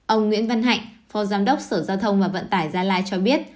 ông nguyễn văn hạnh phó giám đốc sở giao thông và vận tải gia lai cho biết